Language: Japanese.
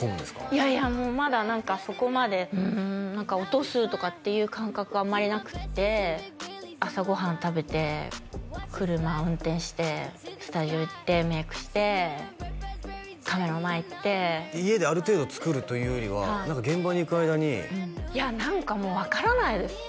いやいやもうまだ何かそこまで落とすとかっていう感覚があんまりなくって朝ご飯食べて車運転してスタジオ行ってメイクしてカメラの前行って家である程度作るというよりは現場に行く間にいや何かもう分からないです